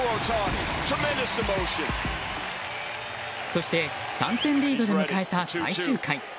そして３点リードで迎えた最終回。